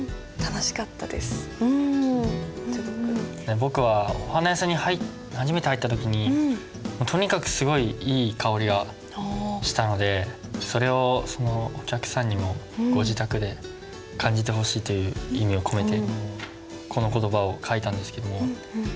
僕はお花屋さんに初めて入った時にとにかくすごいいい香りがしたのでそれをお客さんにもご自宅で感じてほしいという意味を込めてこの言葉を書いたんですけども。